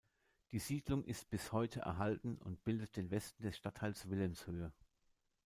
Die Siedlung ist bis heute erhalten und bildet den Westen des Stadtteils Wilhelmshöhe.